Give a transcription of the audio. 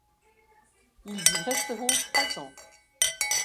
Ils y resteront trois ans.